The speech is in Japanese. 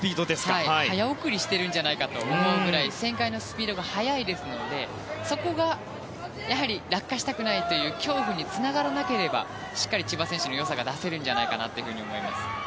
早送りしているんじゃないかというぐらい旋回のスピードが速いですのでそこが落下したくないという恐怖につながらなければしっかり千葉選手の良さが出せると思います。